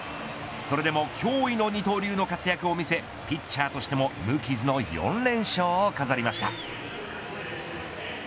それでも驚異の二刀流の活躍を見せピッチャーとしても無傷の４連勝を飾りました。